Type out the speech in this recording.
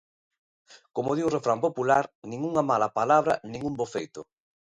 Como di un refrán popular, nin unha mala palabra nin un bo feito.